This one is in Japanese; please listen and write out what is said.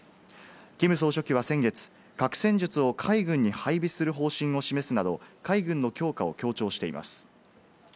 キム総書記は先月、核戦術を海軍に配備する方針を示すなど、海軍の強化を強調しています。